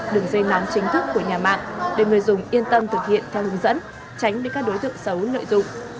đường dây nóng chính thức của nhà mạng để người dùng yên tâm thực hiện theo hướng dẫn tránh bị các đối tượng xấu lợi dụng